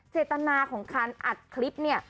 เจตนาของการอัดคลิปเนี่ย